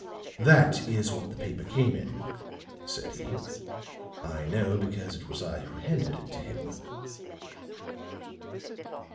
"That is what the paper came in," said he. "I know, because it was I who handed it to him."